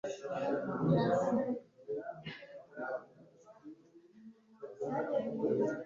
mariya yavuze ko azakora umukoro we